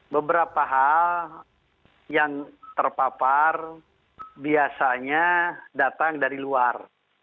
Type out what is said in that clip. beberapa hal yang terpapar biasanya datang dari luar